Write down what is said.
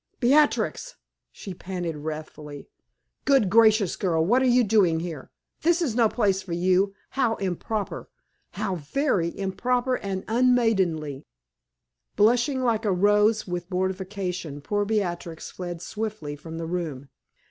"Beatrix!" she panted, wrathfully. "Good gracious girl, what are you doing here? This is no place for you. How improper! how very improper and unmaidenly!" Blushing like a rose with mortification, poor Beatrix fled swiftly from the room.